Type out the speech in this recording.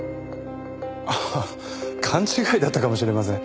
ああ勘違いだったかもしれません。